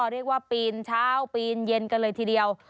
เรียกว่าปีนเช้าปีนเย็นกันเลยทีเดียว